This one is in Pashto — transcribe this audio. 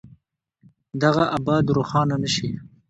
دغه ابعاد روښانه نه شي.